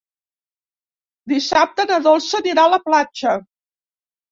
Dissabte na Dolça anirà a la platja.